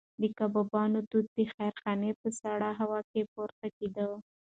د کبابونو دود د خیرخانې په سړه هوا کې پورته کېده.